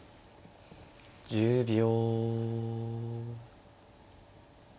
１０秒。